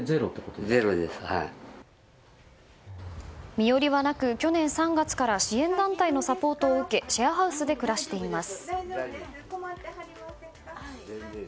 身寄りはなく、去年３月から支援団体のサポートを受けシェアハウスで暮らしています。